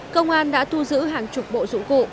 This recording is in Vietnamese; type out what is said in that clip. công an đã thu giữ hàng chục bộ dụng cụ